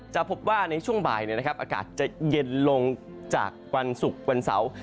จะพบว่าในช่วงบ่ายอากาศจะเย็นลงจากวันศุกร์วันเสาร์